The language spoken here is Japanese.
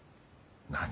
何？